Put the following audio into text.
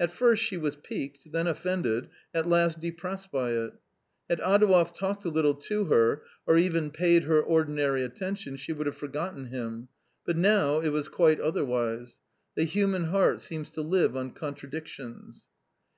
At first she was piqued, then offended, at last depressed by it. Had Adouev talked a little to her, or even paid her ordinary attention — she would have forgotten him ; but now it was quite otherwise. The human heart seems to live on contradictions.